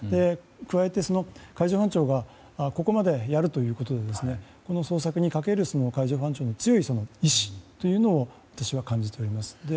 加えて、海上保安庁がここまでやるということでこの捜索にかける海上保安庁の強い意志を私は感じております。